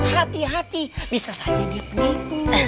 hati hati bisa saja dia penuh